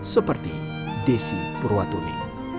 seperti desi purwatuni